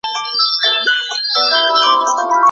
其间他试过取得一个入球。